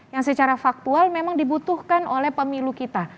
yang secara faktual memang dibutuhkan oleh pemilu kita